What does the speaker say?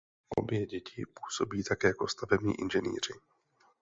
Obě děti působí také jako stavební inženýři.